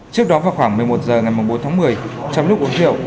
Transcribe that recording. trước đó vào khoảng một mươi một giờ ngày bốn tháng một mươi trong lúc uống thiệu